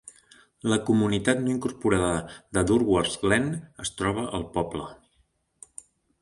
La comunitat no incorporada de Durwards Glen es troba al poble.